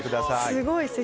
すごい席。